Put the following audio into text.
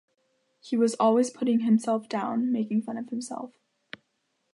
He was always putting himself down, making fun of himself.